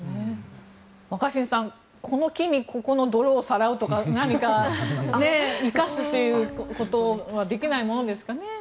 若新さんこの機にここの泥をさらうとか何か生かすことができないものですかね。